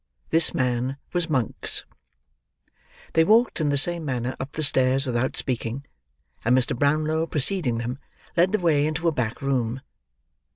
This man was Monks. They walked in the same manner up the stairs without speaking, and Mr. Brownlow, preceding them, led the way into a back room.